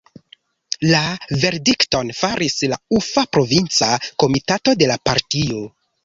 La verdikton faris la Ufa provinca komitato de la partio.